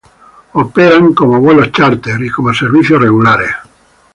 Operan como vuelos chárter y como servicios regulares.